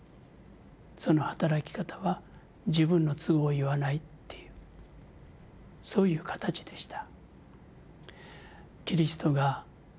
その働き方は「自分の都合を言わない」っていうそういう形でした。